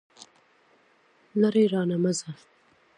لرې رانه مه ځه.